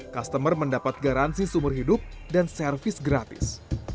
customer mendapat garansi seumur hidup dan servis gratis